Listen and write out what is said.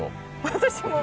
私も。